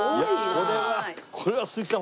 これはこれは鈴木さん